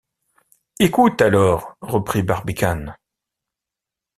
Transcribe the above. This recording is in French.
Écoute alors, reprit Barbicane.